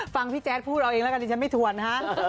พี่แจ๊ดพูดเอาเองแล้วกันดิฉันไม่ถวนนะฮะ